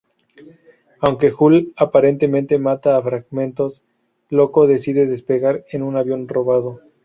Aunque Hulk aparentemente mata a Fragmentos, Loco decide despegar en un avión robado.